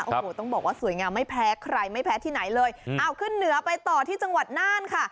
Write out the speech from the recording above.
โอ้โหต้องบอกว่าสวยงามไม่แพ้ใครไม่แพ้ที่ไหนเลยเอาขึ้นเหนือไปต่อที่จังหวัดน่านค่ะ